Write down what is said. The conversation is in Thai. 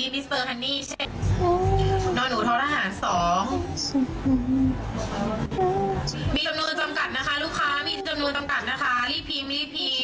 ไปที่ตัวแรกเมื่อกี้